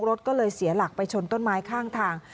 รถก็เลยเสียหลักไปชนต้นไม้ข้างทาง